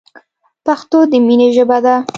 پښتو دی مینی ژبه